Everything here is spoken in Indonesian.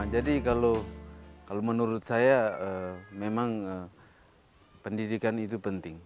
jadi kalau menurut saya memang pendidikan itu penting